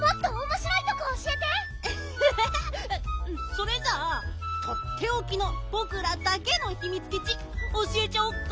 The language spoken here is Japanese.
それじゃあとっておきのぼくらだけのひみつきちおしえちゃおっか